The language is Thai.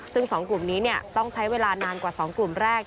ซึ่ง๒กลุ่มนี้ต้องใช้เวลานานกว่า๒กลุ่มแรก